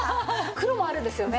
黒もあるんですよね。